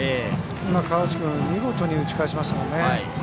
今、河内君見事に打ち返しましたね。